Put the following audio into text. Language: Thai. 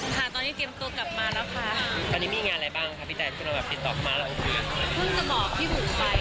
ค่ะตอนนี้เตรียมตัวกลับมาแล้วค่ะอันนี้มีงานอะไรบ้างค่ะพี่แตดคุณเอาแบบติดต่อมาแล้วคืออะไร